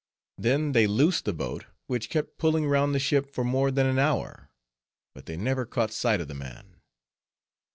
Then they loosed a boat, which kept pulling round the ship for more than an hour, but they never caught sight of the man.